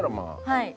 はい。